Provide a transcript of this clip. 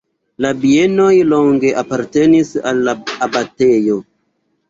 La bienoj longe apartenis al abatejo.